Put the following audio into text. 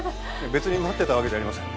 別に待ってたわけじゃありません。